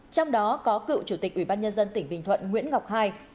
trong đó có cựu chủ tịch ubnd tỉnh bình thuận nguyễn ngọc ii